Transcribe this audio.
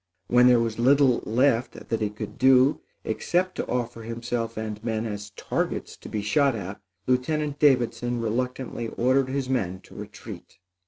When there was little left that he could do except to offer himself and men as targets to be shot at, Lieutenant Davidson reluctantly ordered his men to retreat.